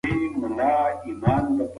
که چاپخونه وي نو کتاب نه کمېږي.